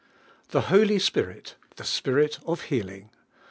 THE HOLY SPIRIT THE SPIRIT OF HEALING I.